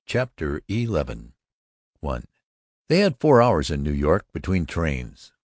CHAPTER XI I They had four hours in New York between trains.